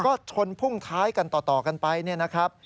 ก็ชนพุ่งท้ายกันต่อกันไปเนี่ยนะครับ